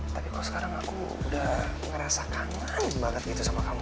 tapi kalau sekarang aku udah ngerasa kangen banget gitu sama kamu